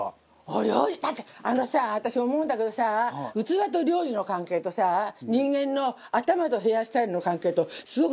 お料理だってあのさ私思うんだけどさ器と料理の関係とさ人間の頭とヘアスタイルの関係とすごく似ててさ。